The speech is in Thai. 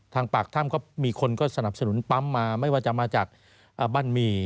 ปากถ้ำก็มีคนก็สนับสนุนปั๊มมาไม่ว่าจะมาจากบ้านหมี่